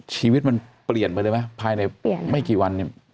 ชีวิตมันเปลี่ยนไปเลยไหมภายในไม่กี่วันเนี่ย